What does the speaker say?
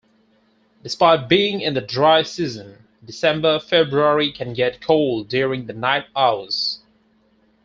Despite being in the dry season, December-February can get cold during the night hours.